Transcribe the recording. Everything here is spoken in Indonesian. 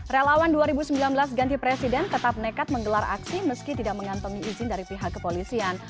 relawan dua ribu sembilan belas ganti presiden tetap nekat menggelar aksi meski tidak mengantongi izin dari pihak kepolisian